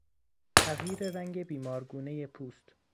تغییر رنگ بیمار گونهی پوست